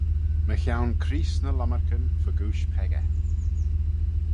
Mychione Creest ny lomarcan fegooish peccah.